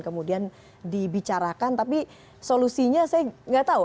kemudian dibicarakan tapi solusinya saya nggak tahu